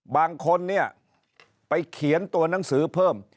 บางคนเนี่ยไปเขียนตัวหนังสือเพิ่ม